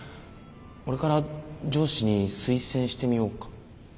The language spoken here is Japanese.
俺から上司に推薦してみようか。